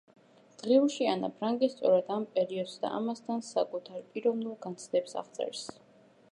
დღიურში ანა ფრანკი სწორედ ამ პერიოდს და ამასთან საკუთარ პიროვნულ განცდებს აღწერს.